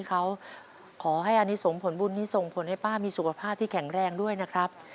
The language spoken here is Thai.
เขาขอให้อันนี้ส่งผลบุญนี้ส่งผลให้ป้ามีสุขภาพที่แข็งแรงด้วยนะครับ